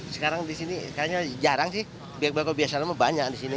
sekarang di sini kayaknya jarang sih bapak biasa lama banyak di sini